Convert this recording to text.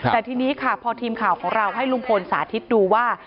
แต่ทีนี้ค่ะพอทีมข่าวของเราให้ลุงพลสาธิตดูว่า